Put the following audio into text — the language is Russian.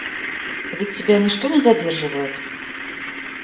Ведь тебя ничто не задерживает?